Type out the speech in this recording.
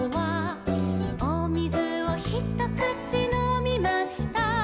「おみずをひとくちのみました」